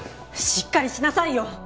しっかりしなさいよ！